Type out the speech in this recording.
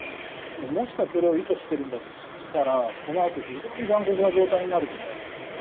もしかそれを意図しているんだとしたらこのあと、非常に残酷な状態になると思います。